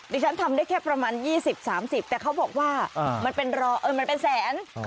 ฉันทำได้แค่ประมาณ๒๐๓๐แต่เขาบอกว่ามันเป็นรอมันเป็นแสน